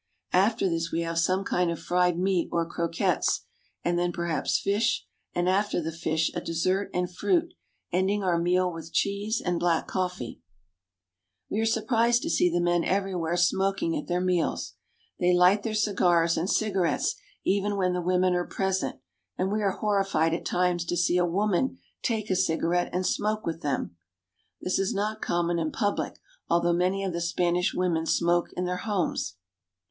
After this we have some kind of fried meat or croquettes, and then perhaps fish, and after the fish a dessert and fruit, ending our meal with cheese and black coffee. 436 SPAIN. We are surprised to see the men everywhere smoking at their meals. They light their cigars and cigarettes even when the women are present, and we are horrified at times to see a woman take a cigarette and smoke with them. This is not common in public, although many of the Span ish women smoke in their homes.